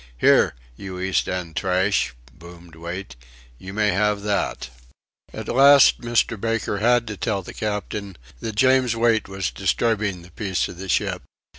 "Here, you East end trash," boomed Wait, "you may have that." At last Mr. Baker had to tell the captain that James Wait was disturbing the peace of the ship.